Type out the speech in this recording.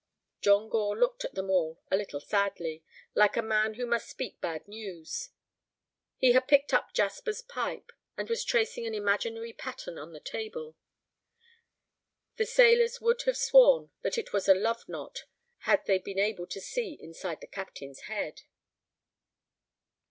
John Gore looked at them all a little sadly, like a man who must speak bad news. He had picked up Jasper's pipe, and was tracing an imaginary pattern on the table. The sailors would have sworn that it was a love knot had they been able to see inside the captain's head.